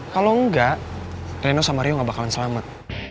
kalau enggak reno sama rio gak bakalan selamat